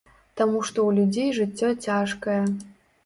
Таму што ў людзей жыццё цяжкае.